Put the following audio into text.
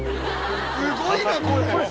すごいなこれ！